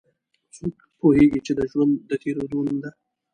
څوک پوهیږي چې ژوند د تیریدو نوم ده